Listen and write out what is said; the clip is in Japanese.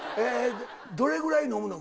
どれぐらい飲むの？